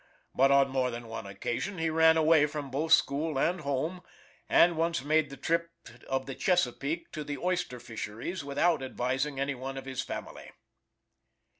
But on more than one occasion he ran away from both school and home, and once made the trip of the Chesapeake to the oyster fisheries without advising anybody of his family.